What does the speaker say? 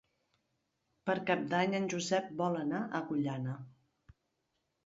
Per Cap d'Any en Josep vol anar a Agullana.